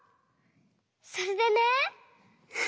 それでね。